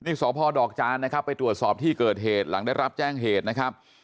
นี่สพดอกจานนะครับไปตรวจสอบที่เกิดเหตุหลังได้รับแจ้งเหตุนะครับ